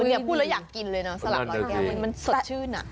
เนี่ยพูดแล้วอยากกินเลยนะสลักลอยแก้วมันสดชื่นอ่ะ